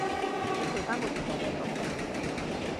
你陪返部電腦畀我